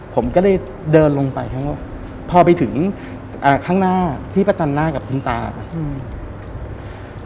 ผมก็ได้เดินลงไปพอไปถึงอ่าข้างหน้าที่ประจันทร์หน้ากับคุณตาอืม